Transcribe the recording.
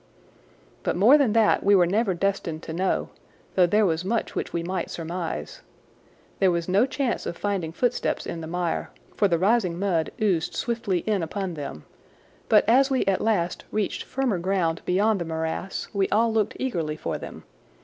But more than that we were never destined to know, though there was much which we might surmise. There was no chance of finding footsteps in the mire, for the rising mud oozed swiftly in upon them, but as we at last reached firmer ground beyond the morass we all looked eagerly for them.